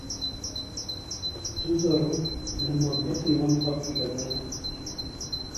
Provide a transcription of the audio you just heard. Du zarok li malbatên wan hatin vegerandin.